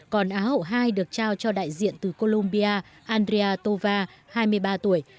còn á hậu hai được trao cho đại diện từ colombia andrea tova hai mươi ba tuổi